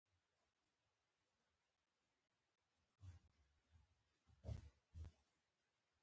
عصري تعلیم مهم دی ځکه چې د نړیوالې روغتیا په اړه ښيي.